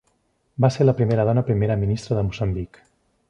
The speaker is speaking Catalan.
Va ser la primera dona Primera Ministra de Moçambic.